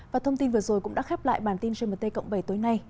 và thông tin vừa rồi cũng đã khép lại bản tin gmt cộng bảy tối nay